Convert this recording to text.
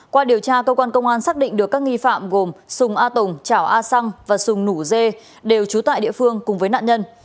qua điều tra công an xác định được các nghi phạm gồm sùng a tùng chảo a xăng và sùng nủ dê đều trú tại địa phương cùng với nạn nhân